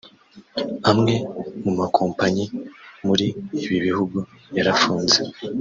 Amwe mu makompanyi muri ibi bihugu yarafunze